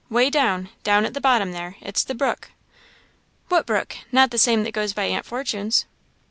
" 'Way down down, at the bottom there. It's the brook." "What brook? Not the same that goes by Aunt Fortune's?"